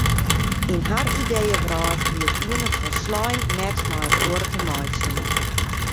Yn har ideeëwrâld hie it iene folslein net met it oare te meitsjen.